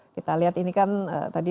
kita lihat ini kan tadi